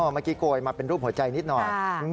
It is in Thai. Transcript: เมื่อกี้โกยมาเป็นรูปหัวใจนิดหน่อย